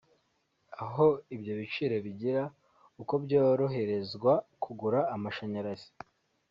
aho ibyo byiciro bigira uko byoroherezwa kugura amashanyarazi